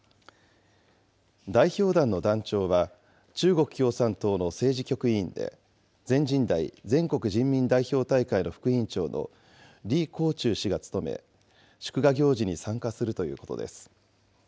代表団の団長は、中国共産党の政治局委員で、全人代・全国人民代表大会の副委員長の李鴻忠氏が務め、祝賀行事に参加するということです。